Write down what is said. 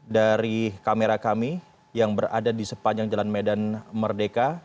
dari kamera kami yang berada di sepanjang jalan medan merdeka